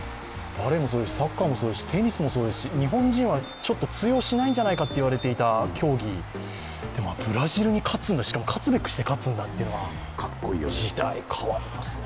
バレーもそうですし、サッカーもそうですし、日本人はちょっと通用しないんじゃないかといわれていた競技でもブラジルに勝つ、しかも勝つべくして勝つっていうのは時代変わりますね。